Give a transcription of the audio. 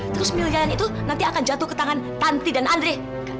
terus miliaran itu nanti akan jatuh ke tangan panti dan andre